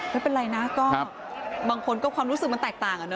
ไม่เป็นไรนะก็บางคนก็ความรู้สึกมันแตกต่างอะเน